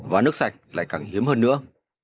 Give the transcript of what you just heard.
và nước sạch lại càng hiếm hơn nữa